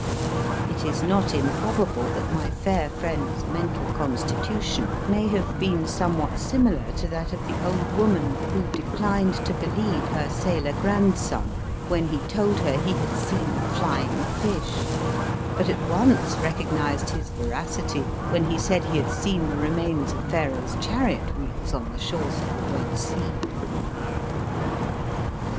It is not improbable that my fair friend s mental constitution may have been somewhat similar to that of the old woman who declined to believe her sailor grandson when he told her he had seen flying fish, but at once recognised his veracity when he said he had seen the remains of Pharaoh s chariot wheels on the shores of the Red Sea.